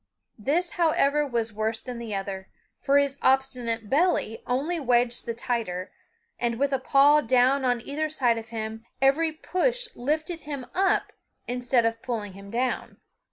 This, however, was worse than the other, for his obstinate belly only wedged the tighter and, with a paw down on either side of him, every push lifted him up instead of pulling him down.